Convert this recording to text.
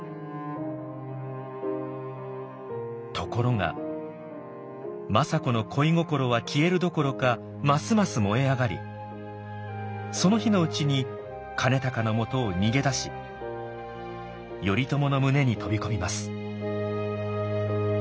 ところが政子の恋心は消えるどころかますます燃え上がりその日のうちに兼隆のもとを逃げ出し頼朝の胸に飛び込みます。